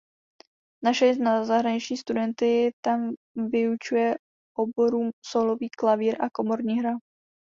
Naše i zahraniční studenty tam vyučuje oborům sólový klavír a komorní hra.